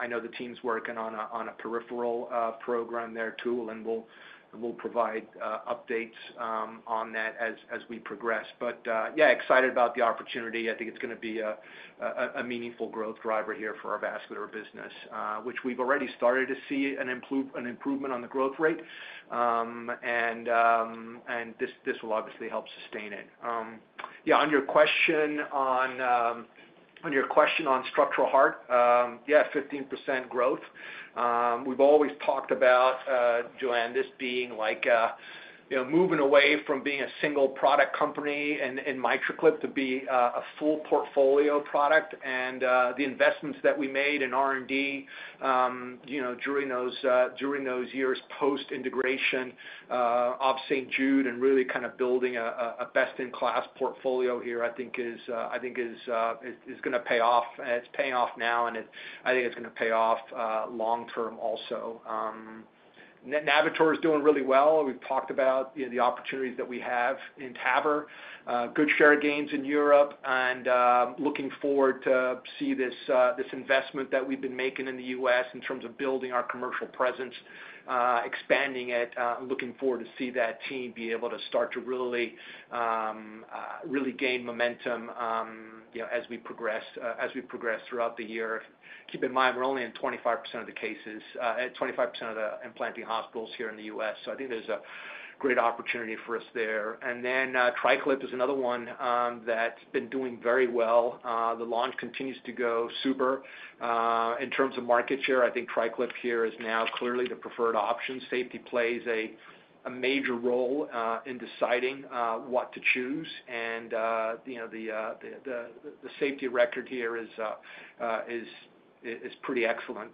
I know the team's working on a peripheral program there, too, and we will provide updates on that as we progress. Yeah, excited about the opportunity. I think it's going to be a meaningful growth driver here for our vascular business, which we've already started to see an improvement on the growth rate. This will obviously help sustain it. On your question on structural heart, 15% growth. We've always talked about, Joanne, this being moving away from being a single product company and MitraClip to be a full portfolio product. The investments that we made in R&D during those years post-integration of St. Jude and really kind of building a best-in-class portfolio here, I think is going to pay off. It's paying off now, and I think it's going to pay off long-term also. Navitor is doing really well. We've talked about the opportunities that we have in TAVR. Good share gains in Europe. Looking forward to see this investment that we've been making in the U.S. in terms of building our commercial presence, expanding it, and looking forward to see that team be able to start to really gain momentum as we progress throughout the year. Keep in mind, we're only in 25% of the cases, 25% of the implanting hospitals here in the U.S. I think there's a great opportunity for us there. TriClip is another one that's been doing very well. The launch continues to go super. In terms of market share, I think TriClip here is now clearly the preferred option. Safety plays a major role in deciding what to choose. The safety record here is pretty excellent,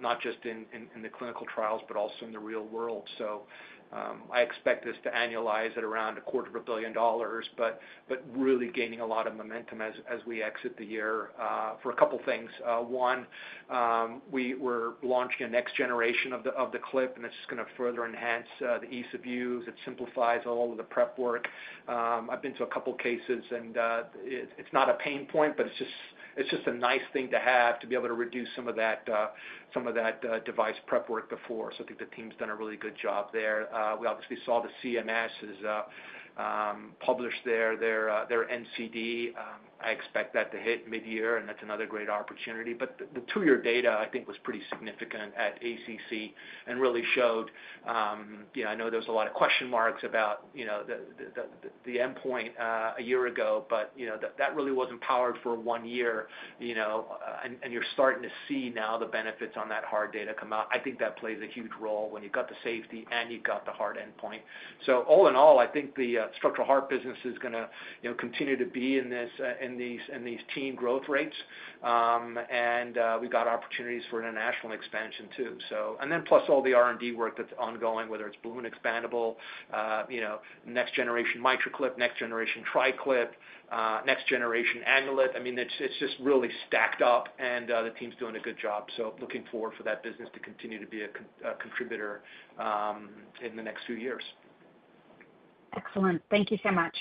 not just in the clinical trials, but also in the real world. I expect this to annualize at around a quarter of a billion dollars, but really gaining a lot of momentum as we exit the year for a couple of things. One, we're launching a next generation of the clip, and this is going to further enhance the ease of use. It simplifies all of the prep work. I've been to a couple of cases, and it's not a pain point, but it's just a nice thing to have to be able to reduce some of that device prep work before. I think the team's done a really good job there. We obviously saw the CMS published their NCD. I expect that to hit mid-year, and that's another great opportunity. The two-year data, I think, was pretty significant at ACC and really showed I know there was a lot of question marks about the endpoint a year ago, but that really was not powered for one year. You are starting to see now the benefits on that hard data come out. I think that plays a huge role when you have got the safety and you have got the hard endpoint. All in all, I think the structural heart business is going to continue to be in these team growth rates. We have got opportunities for international expansion, too. Plus all the R&D work that is ongoing, whether it is balloon expandable, next generation MitraClip, next generation TriClip, next generation Amulet. I mean, it is just really stacked up, and the team is doing a good job. Looking forward for that business to continue to be a contributor in the next few years. Excellent. Thank you so much.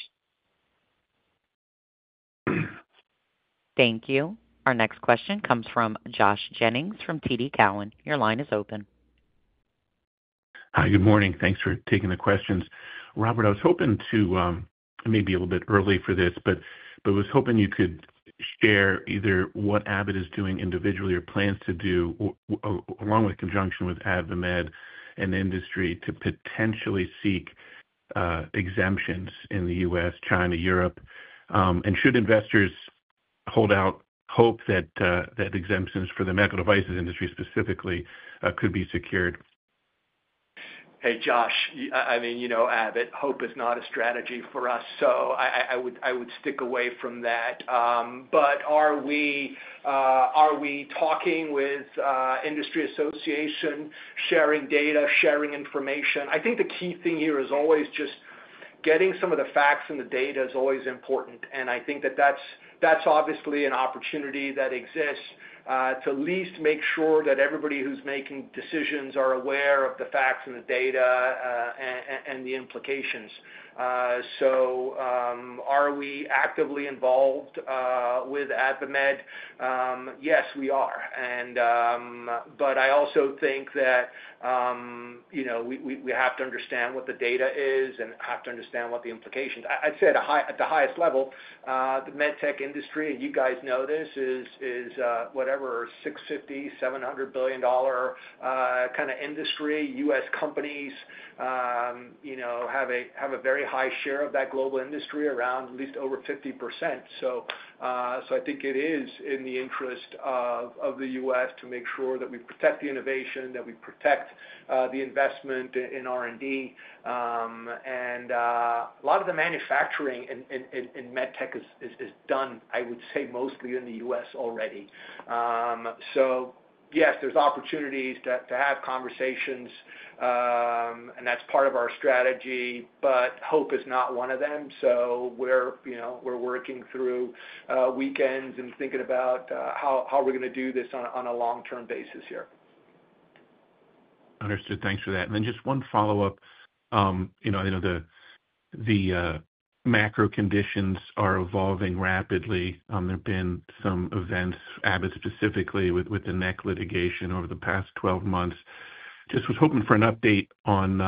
Thank you. Our next question comes from Josh Jennings from TD Cowen. Your line is open. Hi, good morning. Thanks for taking the questions. Robert, I was hoping to maybe be a little bit early for this, but I was hoping you could share either what Abbott is doing individually or plans to do along with conjunction with AdvaMed and the industry to potentially seek exemptions in the U.S., China, Europe. Should investors hold out hope that exemptions for the medical devices industry specifically could be secured? Hey, Josh. I mean, Abbott, hope is not a strategy for us. I would stick away from that. Are we talking with industry association, sharing data, sharing information? I think the key thing here is always just getting some of the facts and the data is always important. I think that that's obviously an opportunity that exists to at least make sure that everybody who's making decisions are aware of the facts and the data and the implications. Are we actively involved with AdvaMed? Yes, we are. I also think that we have to understand what the data is and have to understand what the implications. I'd say at the highest level, the MedTech industry, and you guys know this, is whatever, $650 billion-$700 billion kind of industry. U.S. companies have a very high share of that global industry, around at least over 50%. I think it is in the interest of the U.S. to make sure that we protect the innovation, that we protect the investment in R&D. A lot of the manufacturing in MedTech is done, I would say, mostly in the U.S. already. Yes, there are opportunities to have conversations, and that's part of our strategy. Hope is not one of them. We are working through weekends and thinking about how we are going to do this on a long-term basis here. Understood. Thanks for that. Just one follow-up. I know the macro conditions are evolving rapidly. There have been some events, Abbott specifically, with the NEC litigation over the past 12 months. I was hoping for an update on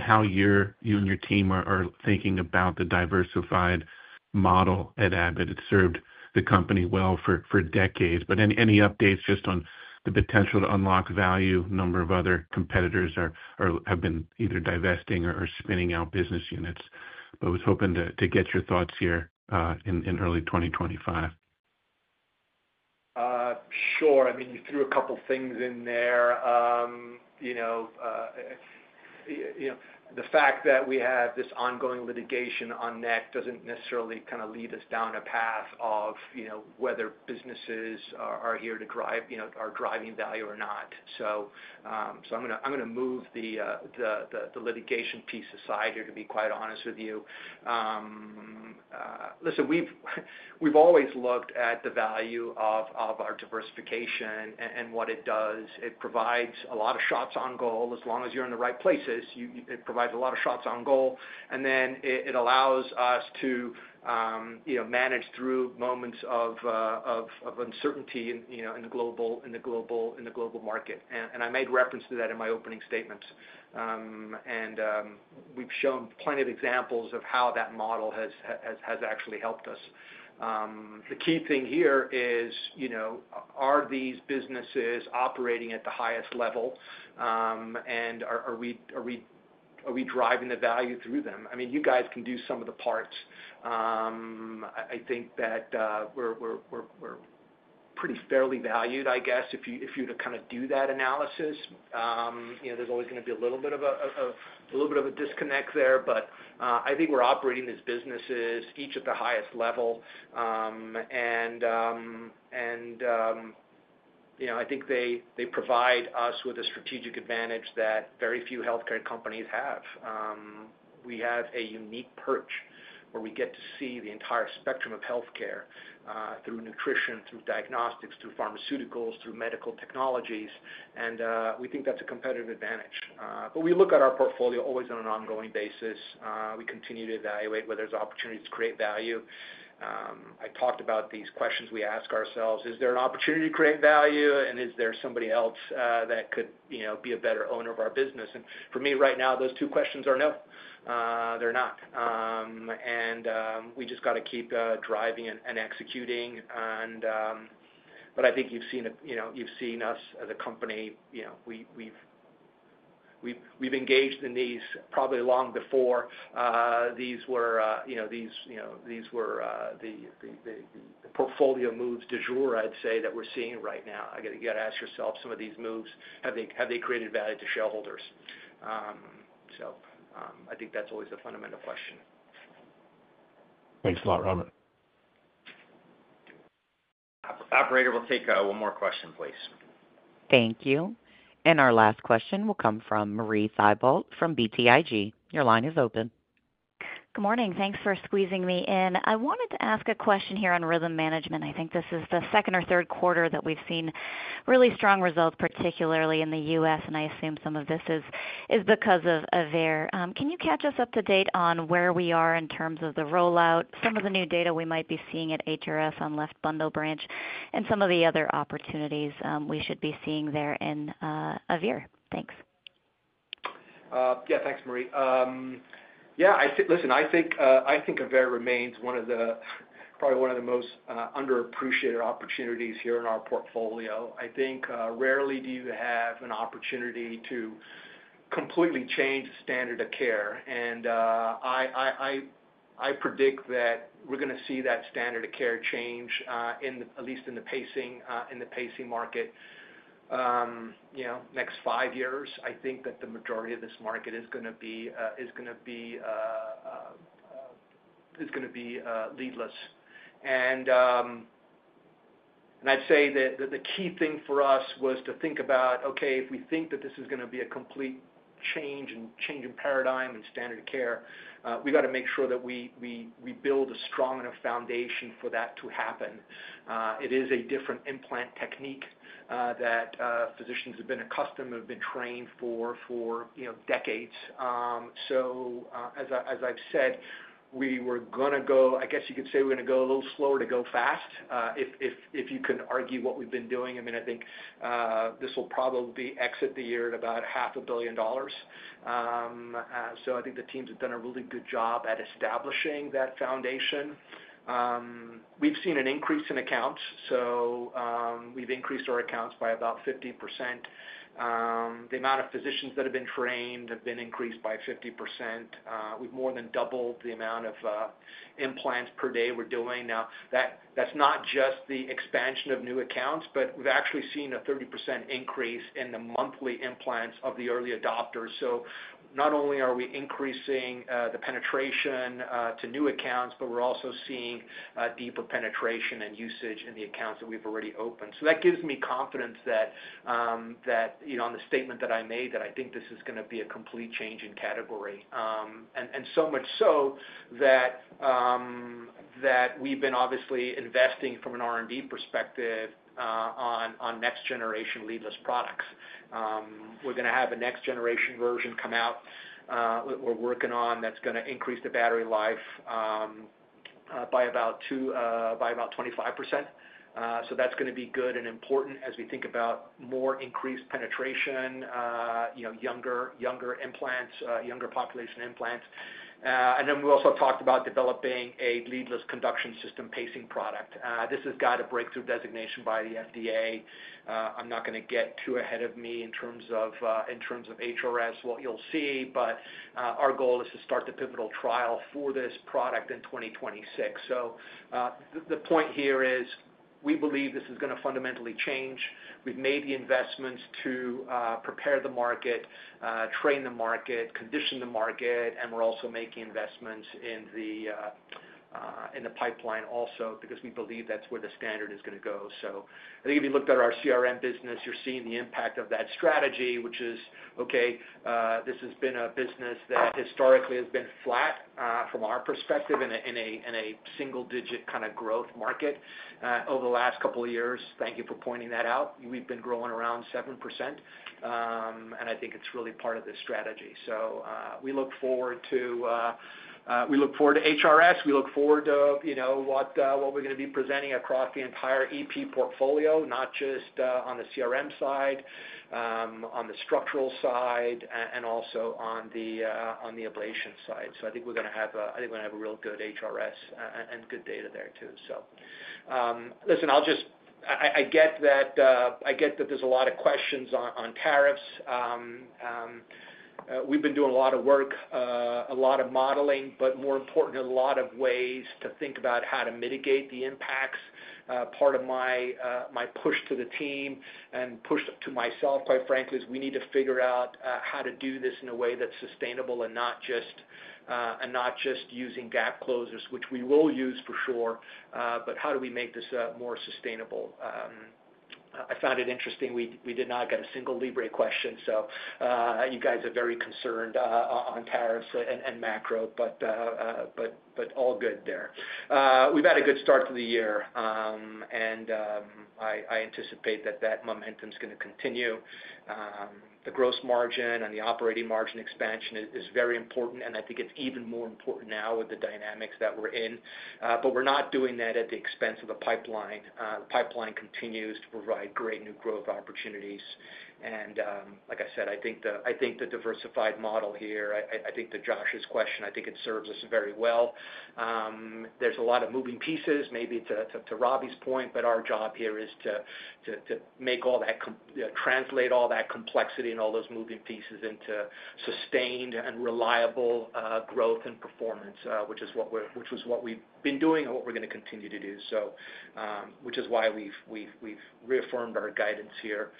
how you and your team are thinking about the diversified model at Abbott. It's served the company well for decades. Any updates on the potential to unlock value, number of other competitors have been either divesting or spinning out business units. I was hoping to get your thoughts here in early 2025. Sure. I mean, you threw a couple of things in there. The fact that we have this ongoing litigation on NEC does not necessarily kind of lead us down a path of whether businesses are here to drive or driving value or not. I am going to move the litigation piece aside here, to be quite honest with you. Listen, we have always looked at the value of our diversification and what it does. It provides a lot of shots on goal as long as you are in the right places. It provides a lot of shots on goal. It allows us to manage through moments of uncertainty in the global market. I made reference to that in my opening statements. We have shown plenty of examples of how that model has actually helped us. The key thing here is, are these businesses operating at the highest level? Are we driving the value through them? I mean, you guys can do sum of the parts. I think that we're pretty fairly valued, I guess, if you were to kind of do that analysis. There's always going to be a little bit of a disconnect there. I think we're operating these businesses each at the highest level. I think they provide us with a strategic advantage that very few healthcare companies have. We have a unique perch where we get to see the entire spectrum of healthcare through nutrition, through diagnostics, through pharmaceuticals, through medical technologies. We think that's a competitive advantage. We look at our portfolio always on an ongoing basis. We continue to evaluate whether there's opportunities to create value. I talked about these questions we ask ourselves. Is there an opportunity to create value? Is there somebody else that could be a better owner of our business? For me right now, those two questions are no. They're not. We just got to keep driving and executing. I think you've seen us as a company. We've engaged in these probably long before these were the portfolio moves du jour, I'd say, that we're seeing right now. You got to ask yourself, some of these moves, have they created value to shareholders? I think that's always the fundamental question. Thanks a lot, Robert. Operator, we'll take one more question, please. Thank you. Our last question will come from Marie Thibault from BTIG. Your line is open. Good morning. Thanks for squeezing me in. I wanted to ask a question here on rhythm management. I think this is the second or third quarter that we've seen really strong results, particularly in the U.S. I assume some of this is because of AVEIR. Can you catch us up to date on where we are in terms of the rollout, some of the new data we might be seeing at HRS on left bundle branch, and some of the other opportunities we should be seeing there in AVEIR? Thanks. Yeah, thanks, Marie. Yeah. Listen, I think AVEIR remains one of the probably one of the most underappreciated opportunities here in our portfolio. I think rarely do you have an opportunity to completely change the standard of care. I predict that we're going to see that standard of care change, at least in the pacing market, next five years. I think that the majority of this market is going to be leadless. I'd say that the key thing for us was to think about, okay, if we think that this is going to be a complete change in paradigm and standard of care, we got to make sure that we build a strong enough foundation for that to happen. It is a different implant technique that physicians have been accustomed to, have been trained for decades. As I've said, we were going to go, I guess you could say we're going to go a little slower to go fast if you can argue what we've been doing. I mean, I think this will probably exit the year at about $500,000,000. I think the teams have done a really good job at establishing that foundation. We've seen an increase in accounts. We've increased our accounts by about 50%. The amount of physicians that have been trained have been increased by 50%. We've more than doubled the amount of implants per day we're doing. Now, that's not just the expansion of new accounts, but we've actually seen a 30% increase in the monthly implants of the early adopters. Not only are we increasing the penetration to new accounts, but we're also seeing deeper penetration and usage in the accounts that we've already opened. That gives me confidence that on the statement that I made, I think this is going to be a complete change in category. So much so that we've been obviously investing from an R&D perspective on next generation leadless products. We're going to have a next generation version come out that we're working on that's going to increase the battery life by about 25%. That is going to be good and important as we think about more increased penetration, younger implants, younger population implants. We also talked about developing a leadless conduction system pacing product. This has got a breakthrough designation by the FDA. I'm not going to get too ahead of me in terms of HRS, what you'll see. Our goal is to start the pivotal trial for this product in 2026. The point here is we believe this is going to fundamentally change. We've made the investments to prepare the market, train the market, condition the market, and we're also making investments in the pipeline also because we believe that's where the standard is going to go. I think if you looked at our CRM business, you're seeing the impact of that strategy, which is, okay, this has been a business that historically has been flat from our perspective in a single digit kind of growth market over the last couple of years. Thank you for pointing that out. We've been growing around 7%. I think it's really part of the strategy. We look forward to HRS. We look forward to what we're going to be presenting across the entire EP portfolio, not just on the CRM side, on the structural side, and also on the ablation side. I think we're going to have a real good HRS and good data there, too. Listen, I get that there's a lot of questions on tariffs. We've been doing a lot of work, a lot of modeling, but more importantly, a lot of ways to think about how to mitigate the impacts. Part of my push to the team and push to myself, quite frankly, is we need to figure out how to do this in a way that's sustainable and not just using gap closers, which we will use for sure. How do we make this more sustainable? I found it interesting. We did not get a single Libre question. You guys are very concerned on tariffs and macro, but all good there. We've had a good start to the year. I anticipate that that momentum is going to continue. The gross margin and the operating margin expansion is very important. I think it's even more important now with the dynamics that we're in. We're not doing that at the expense of the pipeline. The pipeline continues to provide great new growth opportunities. Like I said, I think the diversified model here, to Josh's question, serves us very well. are a lot of moving pieces, maybe to Robbie's point, but our job here is to make all that, translate all that complexity and all those moving pieces into sustained and reliable growth and performance, which is what we've been doing and what we're going to continue to do, which is why we've reaffirmed our guidance here.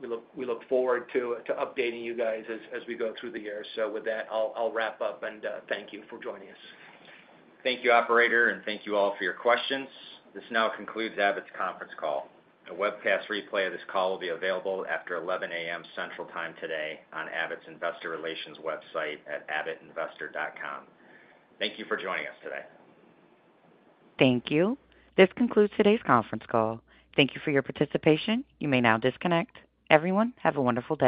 We look forward to updating you guys as we go through the year. With that, I'll wrap up and thank you for joining us. Thank you, Operator. Thank you all for your questions. This now concludes Abbott's conference call. A webcast replay of this call will be available after 11:00 A.M. Central Time today on Abbott's Investor Relations website at abbottinvestor.com. Thank you for joining us today. Thank you. This concludes today's conference call. Thank you for your participation. You may now disconnect. Everyone, have a wonderful day.